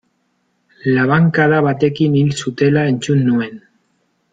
Labankada batekin hil zutela entzun nuen.